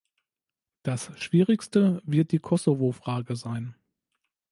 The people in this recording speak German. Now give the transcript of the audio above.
Das Schwierigste wird die Kosovo-Frage sein.